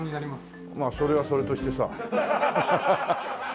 まあそれはそれとしてさ。